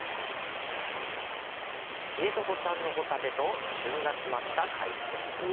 知床産のホタテと旬が詰まった海鮮丼。